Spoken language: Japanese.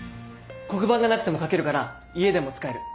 黒板がなくても描けるから家でも使える。